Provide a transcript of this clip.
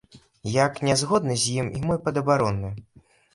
Як не згодны з ім і мой падабаронны.